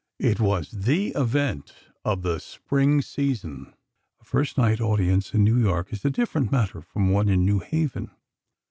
It was the event of the Spring season. A first night audience in New York is a different matter from one in New Haven.